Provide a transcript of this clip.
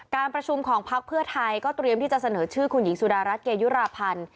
การประชุมของพักเพื่อไทยก็เตรียมที่จะเสนอชื่อคุณหญิงสุดารัฐเกยุราพันธ์